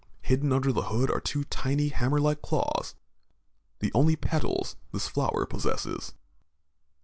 Hidden under the hood are two tiny hammer like claws, the only petals this flower possesses.